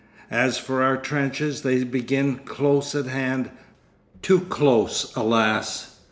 As for our trenches, they begin close at hand, too close alas!